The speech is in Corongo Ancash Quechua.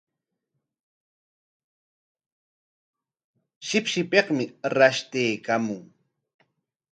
Shipshipikmi rashtaykaamun.